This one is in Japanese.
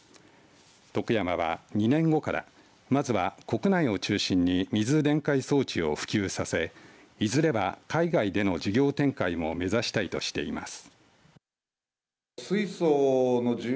トクヤマは、２年後からまずは、国内を中心に水電解装置を普及させいずれは海外での事業展開も目指したいとしています。